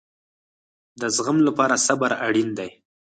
د زغم لپاره صبر اړین دی